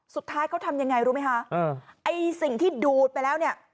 สุดท้ายเขาทำยังไงรู้ไหมคะไอ้สิ่งที่ดูดไปแล้วเนี่ย